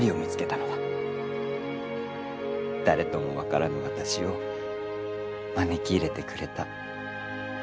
誰とも分からぬ私を招き入れてくれた。